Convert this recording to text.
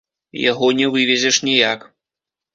Яго не вывезеш ніяк.